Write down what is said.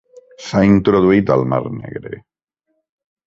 S'ha introduït al Mar Negre.